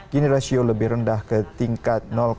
kini rasio lebih rendah ke tingkat tiga ratus delapan puluh sembilan